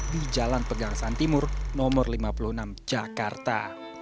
di jalan pegang santimur nomor lima puluh enam jakarta